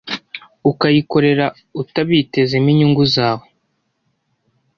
ukayikorera utabitezemo inyungu zawe